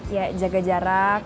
ya jaga jarak